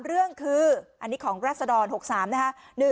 เรื่องคืออันนี้ของรัศดร๖๓นะคะ